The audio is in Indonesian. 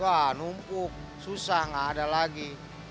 wah numpuk susah nggak ada lagi